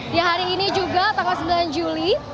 di hari ini juga tanggal sembilan juli